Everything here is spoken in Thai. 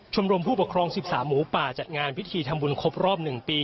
ชมรมผู้ปกครอง๑๓หมูป่าจัดงานพิธีทำบุญครบรอบ๑ปี